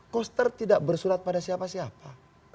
koster tidak bersurat pada siapa siapa